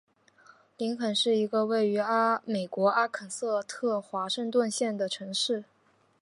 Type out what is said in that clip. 林肯是一个位于美国阿肯色州华盛顿县的城市。